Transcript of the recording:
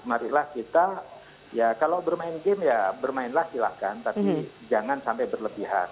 marilah kita ya kalau bermain game ya bermainlah silahkan tapi jangan sampai berlebihan